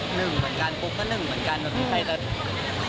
หนึ่งเหมือนกันปุ๊บก็หนึ่งเหมือนกัน